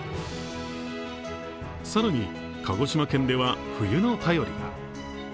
更に鹿児島県では、冬の便りが。